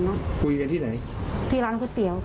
คุยกันที่ไหนที่ร้านก๋วยเตี๋ยว